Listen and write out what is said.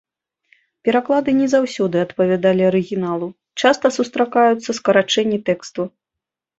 Пераклады не заўсёды адпавядалі арыгіналу, часта сустракаюцца скарачэнні тэксту.